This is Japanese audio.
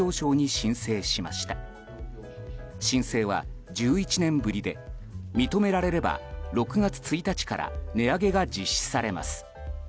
申請は１１年ぶりで認められれば６月１日から値上げが実施されます。